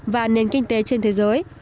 và nền kinh tế trên thế giới